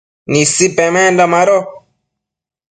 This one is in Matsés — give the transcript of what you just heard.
Nisi pemenda mado